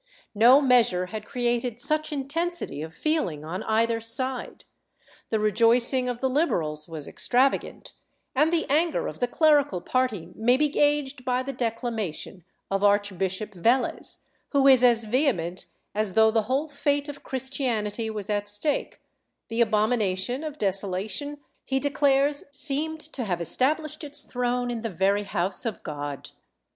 No measure had created such intensity of feeling on either side; the rejoicing of the Liberals was extravagant, and the anger of the clerical party may be gauged by the declamation of Archbishop Velez, who is as vehement as though the whole fate of Christianity was at stake — the abomination of desolation, he declares, seemed to have established its throne in the very house of God.